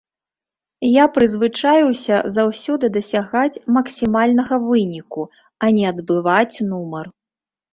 Я прызвычаіўся заўсёды дасягаць максімальнага выніку, а не адбываць нумар.